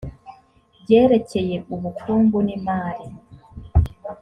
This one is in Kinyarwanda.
byerekeye ubukungu n imari